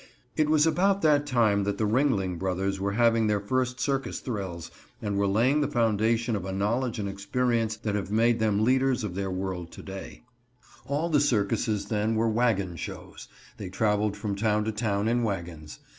It was about that time that the Ringling Brothers were having their first circus thrills, and were laying the foundation of a knowledge and experience that have made them leaders of their world to day. [Illustration: "TO PRODUCE LAUGHS YOU MUST MAKE A SERIOUS EFFORT."] All the circuses then were wagon shows. They traveled from town to town in wagons.